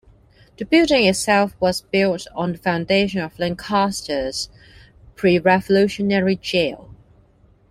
The building itself was built on the foundation of Lancaster's pre-Revolutionary jail.